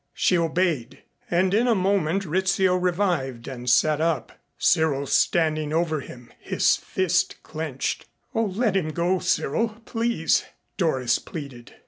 She obeyed, and in a moment Rizzio revived and sat up, Cyril standing over him, his fist clenched. "Oh, let him go, Cyril, please," Doris pleaded.